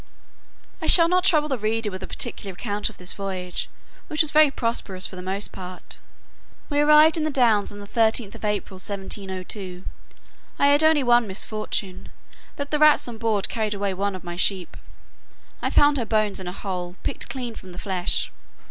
I shall not trouble the reader with a particular account of this voyage, which was very prosperous for the most part. We arrived in the Downs on the 13th of April, 1702. I had only one misfortune, that the rats on board carried away one of my sheep; I found her bones in a hole, picked clean from the flesh.